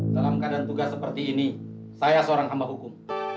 dalam keadaan tugas seperti ini saya seorang ambah hukum